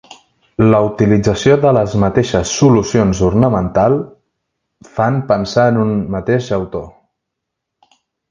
La utilització de les mateixes solucions ornamental fan pensar en un mateix autor.